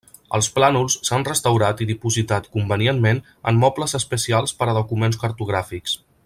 Els plànols s’han restaurat i dipositat convenientment en mobles especials per a documents cartogràfics.